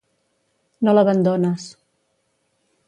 No l'abandones.